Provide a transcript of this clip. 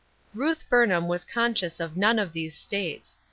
Ruth Burnham was conscious of none of these states.